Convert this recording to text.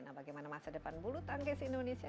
nah bagaimana masa depan bulu tangkis indonesia